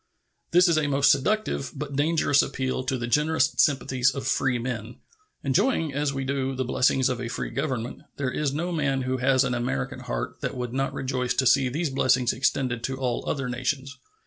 This is a most seductive but dangerous appeal to the generous sympathies of freemen. Enjoying, as we do, the blessings of a free Government, there is no man who has an American heart that would not rejoice to see these blessings extended to all other nations.